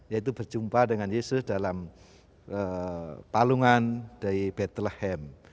yaitu berjumpa dengan yesus dalam palungan dari battlehem